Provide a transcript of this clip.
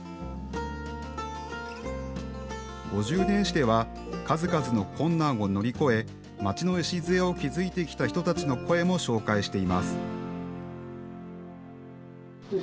５０年誌では数々の困難を乗り越え、街の礎を築いてきた人たちの声も紹介しています。